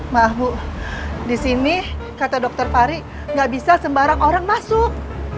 maaf bu disini kata dokter fari gak bisa sembarang orang masuk